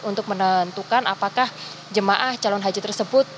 untuk menentukan apakah jemaah calon haji tersebut